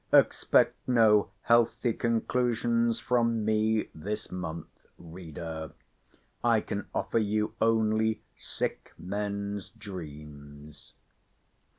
Expect no healthy conclusions from me this month, reader; I can offer you only sick men's dreams.